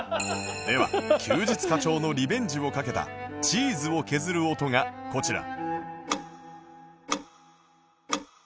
では休日課長のリベンジを懸けたチーズを削る音がこちら